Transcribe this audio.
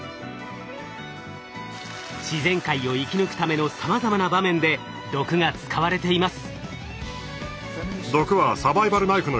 自然界を生き抜くためのさまざまな場面で毒が使われています。